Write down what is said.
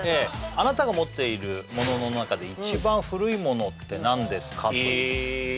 あなたが持っているものの中で一番古いものって何ですかというええ